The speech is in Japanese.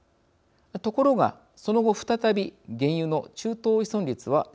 ところがその後再び原油の中東依存率は上昇します。